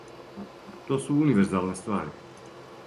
То су универзалне ствари.